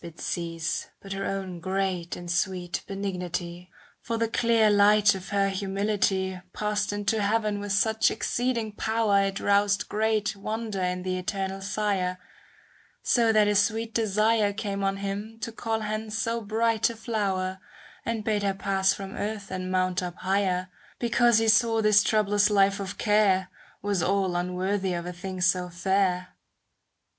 67 CANZONIERE But her own great and sweet benignity; For the clear light of her humility Passed into heaven with such exceeding power It roused great wonder in the Eternal Sire, So that a sweet desire Came on Him to call hence so bright a flower, And bade her pass from earth and mount up higher, Because He saw this troublous life of care Was all unworthy of a thing so fair.